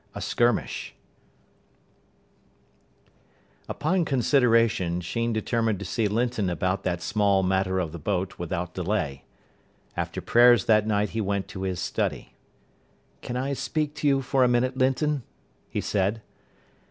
XIV A SKIRMISH Upon consideration Sheen determined to see Linton about that small matter of the boat without delay. After prayers that night he went to his study. "Can I speak to you for a minute, Linton?" he said.